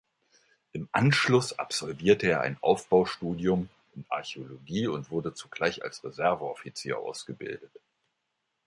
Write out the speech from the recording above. Im Anschluss absolvierte er ein Aufbaustudium in Archäologie und wurde zugleich als Reserveoffizier ausgebildet.